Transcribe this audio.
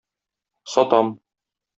Сатам.